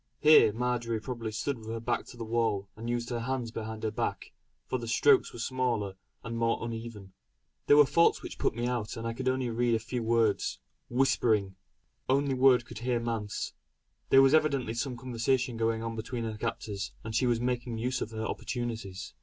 Here Marjory probably stood with her back to the wall and used her hands behind her back, for the strokes were smaller and more uneven. There were faults which put me out and I could only read a few words "whispering" "only word can hear 'manse.'" There was evidently some conversation going on between her captors, and she was making use of her opportunities.